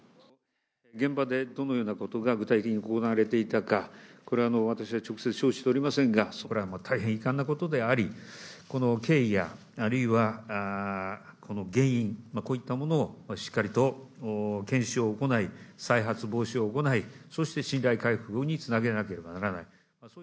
現場でどのようなことが具体的に行われていたか、これは私は直接、承知をしておりませんが、それはもう大変遺憾なことであり、この経緯や、あるいはこの原因、こういったものを、しっかりと検証を行い、再発防止を行い、そして信頼回復につなげなければならない。